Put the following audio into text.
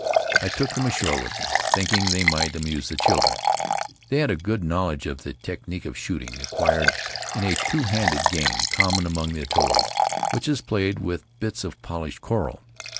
I took them ashore with me, thinking they might amuse the children. They had a good knowledge of the technic of shooting, acquired in a two handed game common among the atolls, which is played with bits of polished coral.